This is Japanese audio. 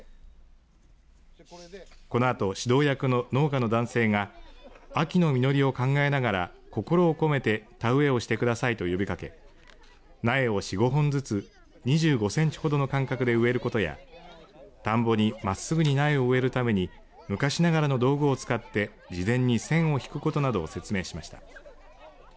このあと指導役の農家の男性が秋の実りを考えながら心を込めて田植えをしてくださいと呼びかけ苗を４５本ずつ２５センチほどの間隔で植えることや田んぼにまっすぐに苗を植えるために昔ながらの道具を使って事前に線を引くことなどを説明しました。